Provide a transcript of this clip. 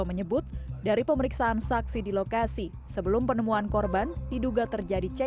menyebut dari pemeriksaan saksi di lokasi sebelum penemuan korban diduga terjadi cek